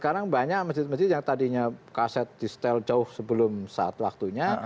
sekarang banyak masjid masjid yang tadinya kaset di setel jauh sebelum saat waktunya